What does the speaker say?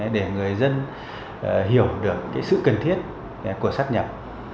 để người dân hiểu được sự cần thiết của sắp nhập